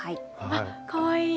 あかわいい。